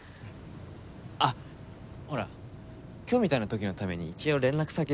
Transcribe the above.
あっほら今日みたいな時のために一応連絡先だけ。